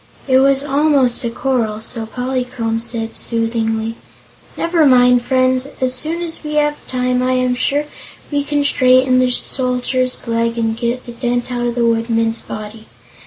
It was almost a quarrel, so Polychrome said soothingly: "Never mind, friends; as soon as we have time I am sure we can straighten the Soldier's leg and get the dent out of the Woodman's body.